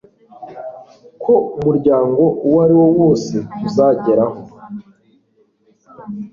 ko umuryango uwo ari wo wose tuzageraho